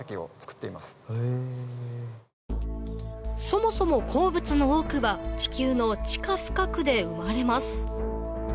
そもそも鉱物の多くは地球の地下深くで生まれます